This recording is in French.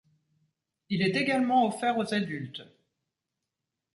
Il est également offert aux adultes.